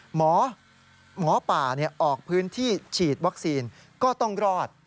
หมอป่าออกพื้นที่ฉีดวัคซีนก็ต้องรอด